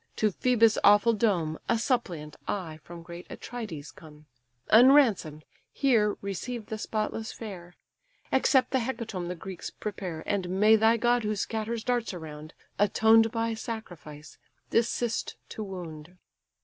to Phœbus' awful dome A suppliant I from great Atrides come: Unransom'd, here receive the spotless fair; Accept the hecatomb the Greeks prepare; And may thy god who scatters darts around, Atoned by sacrifice, desist to wound."